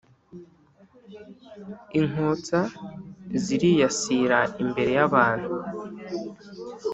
inkotsa ziriyasira imbere yabantu